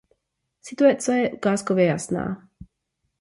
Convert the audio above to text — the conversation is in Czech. Situace je ukázkově jasná.